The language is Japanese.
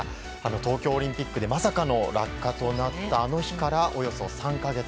東京オリンピックでまさかの落下となったあの日からおよそ３か月。